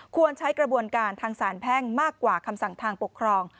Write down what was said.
ใช้กระบวนการทางสารแพ่งมากกว่าคำสั่งทางปกครอง